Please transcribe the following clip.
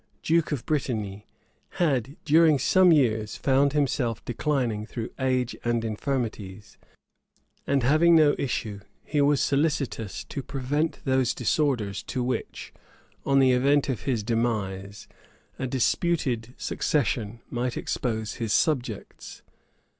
duke of Brittany, had, during some years, found himself declining through age and infirmities; and having no issue, he was solicitous to prevent those disorders to which, on the event of his demise, a disputed succession might expose his subjects.